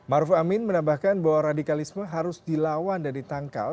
maruf amin menambahkan bahwa radikalisme harus dilawan dan ditangkal